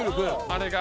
あれが。